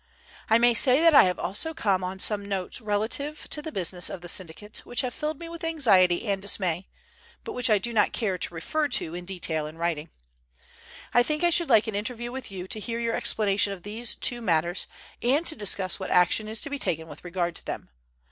"I may say that I have also come on some notes relative to the business of the syndicate, which have filled me with anxiety and dismay, but which I do not care to refer to in detail in writing. "I think I should like an interview with you to hear your explanation of these two matters, and to discuss what action is to be taken with regard to them.